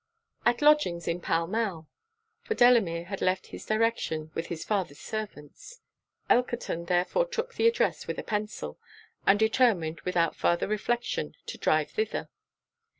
'At lodgings in Pall Mall:' (for Delamere had left his direction with his father's servants.) Elkerton therefore took the address with a pencil; and determined, without farther reflection, to drive thither.